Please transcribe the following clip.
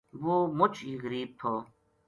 وہ مچ ہی غریب تھو